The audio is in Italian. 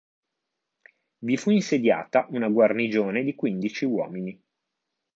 Vi fu insediata una guarnigione di quindici uomini.